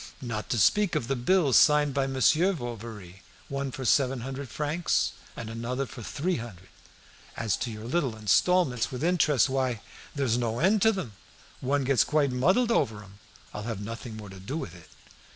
"Not to speak of the bills signed by Monsieur Bovary, one for seven hundred francs, and another for three hundred. As to your little installments, with the interest, why, there's no end to 'em; one gets quite muddled over 'em. I'll have nothing more to do with it."